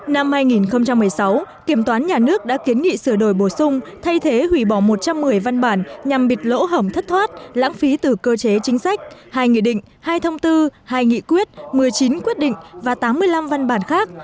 năm hai nghìn một mươi sáu kiểm toán nhà nước đã kiến nghị sửa đổi bổ sung thay thế hủy bỏ một trăm một mươi văn bản nhằm bịt lỗ hỏng thất thoát lãng phí từ cơ chế chính sách hai nghị định hai thông tư hai nghị quyết một mươi chín quyết định và tám mươi năm văn bản khác